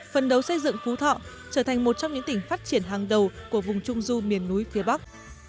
phần đầu xây dựng phú thọ trở thành một trong những tỉnh phát triển hàng đầu của vùng trung du miền núi phía bắc